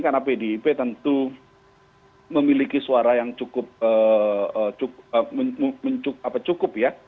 karena bdep tentu memiliki suara yang cukup ya